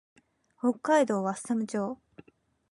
北海道和寒町